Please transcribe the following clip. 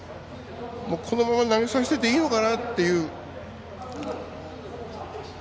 このまま投げさせてていいのかなっていう。